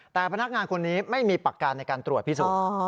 แต่พนักงานคนนี้ไม่มีปักการในการตรวจพิสูจน์